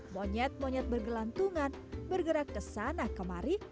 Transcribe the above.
monyet monyet bergelantungan bergerak ke sana kemari